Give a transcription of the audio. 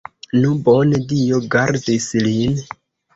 Nu, bone, Dio gardis lin!